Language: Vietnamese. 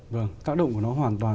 vâng tác động của nó hoàn toàn